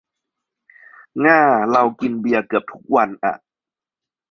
ง้า เรากินเบียร์เกือบทุกวันอ่ะ